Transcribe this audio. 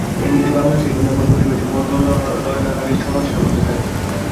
এমনিতেই বাংলাদেশের হীনবল পরিবেশ ও বন মন্ত্রণালয় নানাবিধ সমস্যার মধ্যে থাকে।